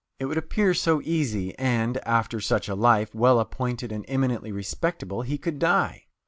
It would appear so easy, and, after such a life, well appointed and eminently respectable, he could die.